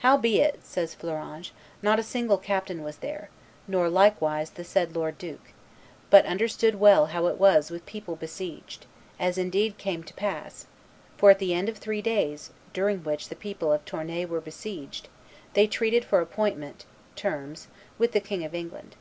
"Howbeit," says Fleuranges, "not a single captain was there, nor, likewise, the said lord duke, but understood well how it was with people besieged, as indeed came to pass, for at the end of three days, during which the people of Tournai were besieged, they treated for appointment (terms) with the King of England."